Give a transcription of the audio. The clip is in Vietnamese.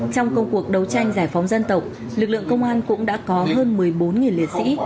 trong công cuộc đấu tranh giải phóng dân tộc lực lượng công an cũng đã có hơn một mươi bốn liệt sĩ